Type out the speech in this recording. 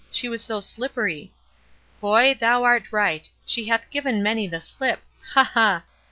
She was so slippery " "Boy, thou art right. She hath given many the slip. Ha! ha!